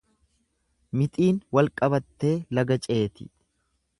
Mixiin wal qabattee laga ceeti.